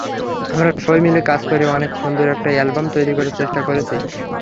আমরা সবাই মিলে কাজ করে অনেক সুন্দর একটা অ্যালবাম তৈরির চেষ্টা করেছি।